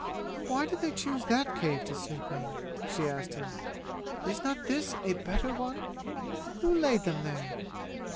"Why did they choose that cave to sleep in?" she asked him. "Is not this a better one? Who laid them there?"